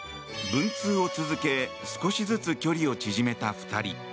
文通を続け少しずつ距離を縮めた２人。